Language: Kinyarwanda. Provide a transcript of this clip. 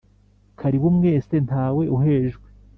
karibu mwese ntawe uhejwe